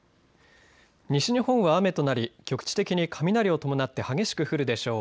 西日本は雨となり局地的に雷を伴って激しく降るでしょう。